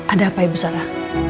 ada apa ya bu sara